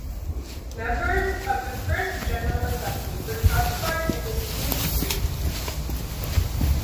Members of the first General Assembly were classified into two groups.